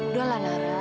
udah lah nara